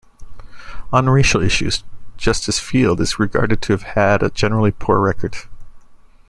On racial issues, Justice Field is regarded to have had a generally poor record.